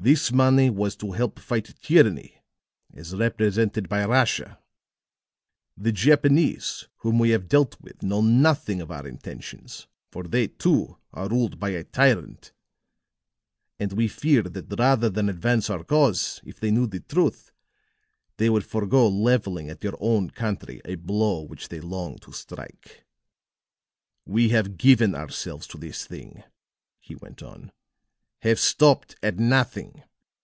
This money was to help fight tyranny as represented by Russia. The Japanese whom we have dealt with know nothing of our intentions; for they, too, are ruled by a tyrant, and we feared that rather than advance our cause, if they knew the truth, they would forego leveling at your own country a blow which they longed to strike. "We have given ourselves to this thing," he went on, "have stopped at nothing.